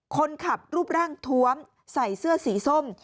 คนขับรูปร่างทวมใส่เสื้อสีส้ม